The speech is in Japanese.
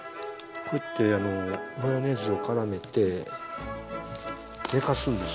こうやってマヨネーズをからめて寝かすんです。